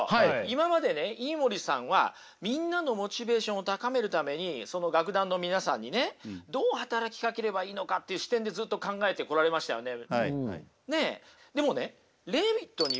今までね飯森さんはみんなのモチベーションを高めるためにその楽団の皆さんにねどう働きかければいいのかっていう視点でずっと考えてこられましたよね。